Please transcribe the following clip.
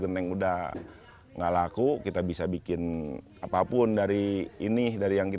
selain bentuk bentuk bentuk yang lain orang jatibangi masih bisa hidup dengan bentuk bentuk bentuk yang lain